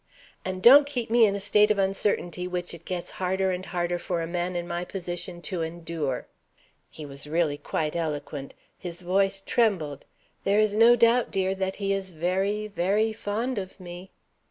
'and don't keep me in a state of uncertainty, which it gets harder and harder for a man in my position to endure!' He was really quite eloquent. His voice trembled. There is no doubt, dear, that he is very, very fond of me."